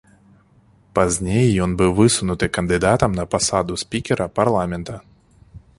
Пазней ён быў высунуты кандыдатам на пасаду спікера парламента.